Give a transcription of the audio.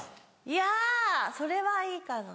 いやそれはいいかな。